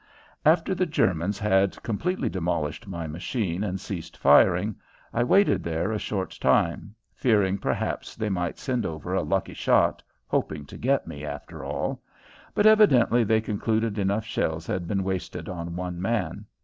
After the Germans had completely demolished my machine and ceased firing I waited there a short time, fearing perhaps they might send over a lucky shot, hoping to get me, after all. But evidently they concluded enough shells had been wasted on one man.